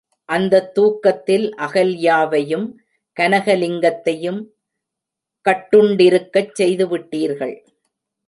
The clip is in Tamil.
அந்தத் தூக்கத்தில் அகல்யாவையும் கனகலிங்கத்தையும் கட்டுண்டிருக்கச் செய்துவிட்டீர்கள்.